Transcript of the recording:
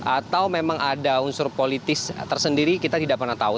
atau memang ada unsur politis tersendiri kita tidak pernah tahu